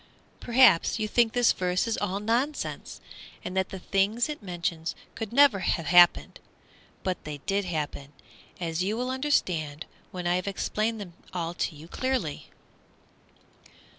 PERHAPS you think this verse is all nonsense, and that the things it mentions could never have happened; but they did happen, as you will understand when I have explained them all to you clearly.